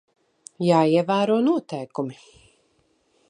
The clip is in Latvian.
Jāievēro noteikumi.